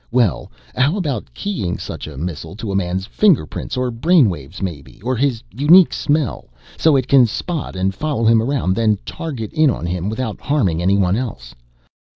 Well, how about keying such a missile to a man's finger prints or brainwaves, maybe, or his unique smell! so it can spot and follow him around then target in on him, without harming anyone else?